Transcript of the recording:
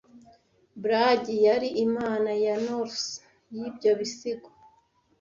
Bragi yari Imana ya Norse y'ibyo bisigo